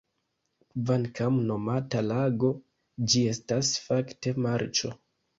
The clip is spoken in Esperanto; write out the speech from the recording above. Kvankam nomata lago, ĝi estas fakte marĉo.